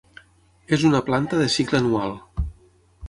És una planta de cicle anual.